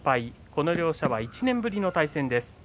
この両者は１年ぶりの対戦です。